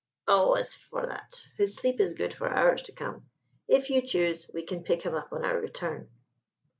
"Oh, as for that, his sleep is good for hours to come. If you choose, we can pick him up on our return."